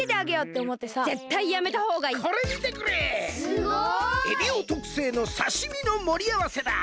すごい！エビオとくせいのさしみのもりあわせだ。